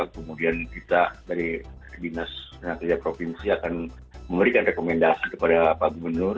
kemudian kita dari dinas tenaga kerja provinsi akan memberikan rekomendasi kepada pak gubernur